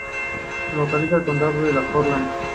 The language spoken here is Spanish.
Se localiza en el condado de Hordaland.